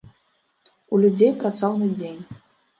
У людзей працоўны дзень.